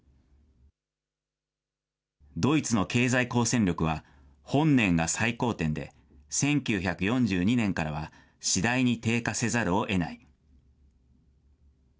ドイツの経済抗戦力は、本年が最高点で、１９４２年からは次第に低下せざるをえない。